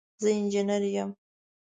زه انجنیر یم